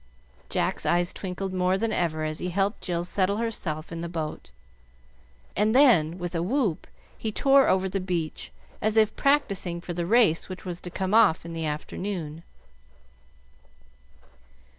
Jack's eyes twinkled more than ever as he helped Jill settle herself in the boat, and then with a whoop he tore over the beach, as if practising for the race which was to come off in the afternoon.